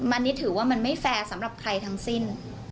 อันนี้ถือว่ามันไม่แฟร์สำหรับใครทั้งสิ้น